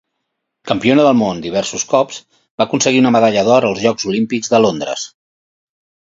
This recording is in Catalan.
Campiona del món diversos cops, va aconseguir una medalla d'or als Jocs Olímpics de Londres.